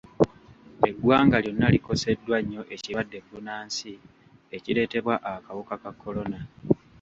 Eggwanga lyonna likoseddwa nnyo ekirwadde bbunansi ekireetebwa akawuka ka kolona.